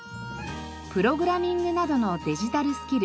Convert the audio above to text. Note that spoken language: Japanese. プログラミングなどのデジタルスキル。